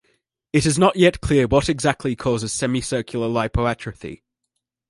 It is not yet clear what exactly causes semicircular lipoatrophy.